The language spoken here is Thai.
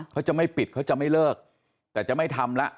เขาจะไม่ปิดเขาจะไม่เลิกแต่จะไม่ทำละ